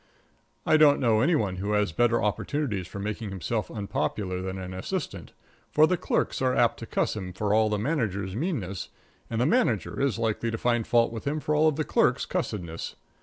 I don't know any one who has better opportunities for making himself unpopular than an assistant, for the clerks are apt to cuss him for all the manager's meanness, and the manager is likely to find fault with him for all the clerks' cussedness.